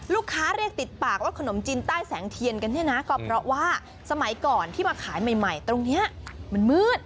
เรียกติดปากว่าขนมจีนใต้แสงเทียนกันเนี่ยนะก็เพราะว่าสมัยก่อนที่มาขายใหม่ตรงนี้มันมืด